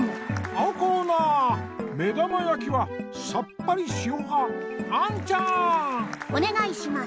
あおコーナーめだまやきはさっぱりしお派アンちゃん！おねがいします。